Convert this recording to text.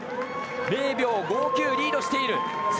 ０秒５９リードしている。